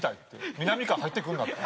みなみかわ入ってくんなって。